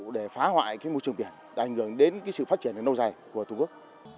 để phá hoại môi trường biển để ảnh hưởng đến sự phát triển nâu dài của tổ quốc